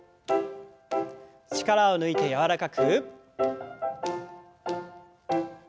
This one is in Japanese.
力を抜いて柔らかく。